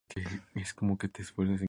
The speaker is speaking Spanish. La huelga de sexo fue clave para la paz.